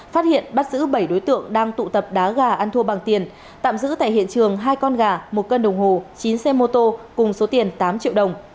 phát hiện bắt giữ bảy đối tượng đang tụ tập đá gà ăn thua bằng tiền tạm giữ tại hiện trường hai con gà một cân đồng hồ chín xe mô tô cùng số tiền tám triệu đồng